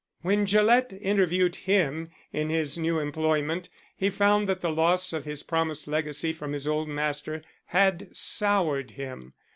When Gillett interviewed him in his new employment he found that the loss of his promised legacy from his old master had soured him.